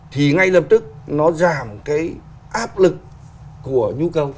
thì ngay lập tức nó giảm cái áp lực của nhu cầu